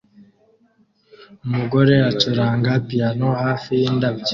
Umugore acuranga piyano hafi yindabyo